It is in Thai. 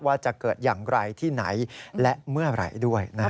ว่าจะเกิดอย่างไรที่ไหนและเมื่อไหร่ด้วย